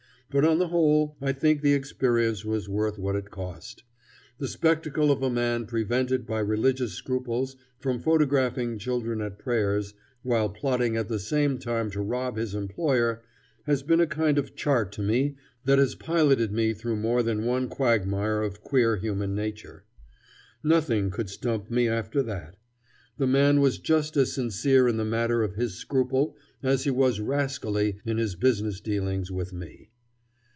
But on the whole I think the experience was worth what it cost. The spectacle of a man prevented by religious scruples from photographing children at prayers, while plotting at the same time to rob his employer, has been a kind of chart to me that has piloted me through more than one quagmire of queer human nature. Nothing could stump me after that. The man was just as sincere in the matter of his scruple as he was rascally in his business dealings with me.